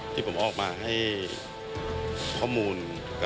มีความรู้สึกว่ามีความรู้สึกว่า